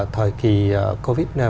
thời kỳ covid một mươi chín